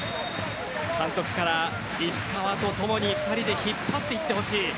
監督から石川とともに２人で引っ張っていってほしい。